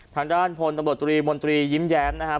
ทางด้านผลตมตรีมนตรียิ้มแยมนะครับ